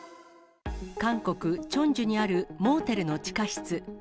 韓国・チョンジュにあるモーテルの地下室。